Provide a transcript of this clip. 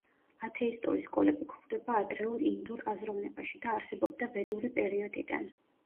ათეისტური სკოლები გვხვდება ადრეულ ინდურ აზროვნებაში და არსებობდა ვედური პერიოდიდან.